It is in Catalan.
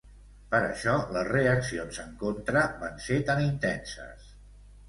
Per això les reaccions en contra van ser tan intenses.